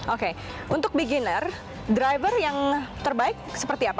oke untuk beginner driver yang terbaik seperti apa